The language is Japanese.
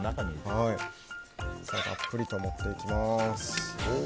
たっぷりと盛っていきます。